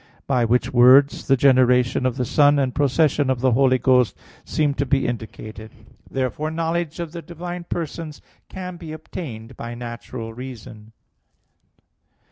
By which words the generation of the Son and procession of the Holy Ghost seem to be indicated. Therefore knowledge of the divine persons can be obtained by natural reason.